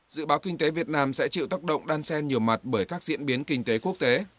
dự báo kinh tế việt nam sẽ chịu tác động đan xen nhiều mặt bởi các diễn biến kinh tế quốc tế